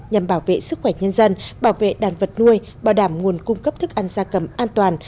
nhằm bảo vệ sức khỏe nhân dân bảo vệ đàn vật nuôi bảo đảm nguồn cung cấp thức ăn gia cầm an toàn